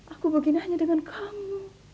aku begini hanya dengan kamu